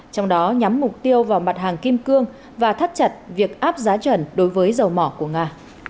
trong đó nhắm mục tiêu vào mặt hàng kim cương và thắt chặt việc áp giá trần đối với dầu mỏ của nga